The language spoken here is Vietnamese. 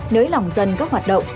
nới lòng dân các hoạt động